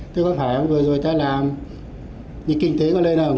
thế có phải không vừa rồi ta làm như kinh tế có lên không